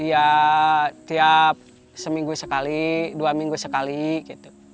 ya tiap seminggu sekali dua minggu sekali gitu